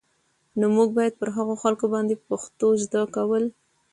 نو موږ بايد پر هغو خلکو باندې پښتو زده کول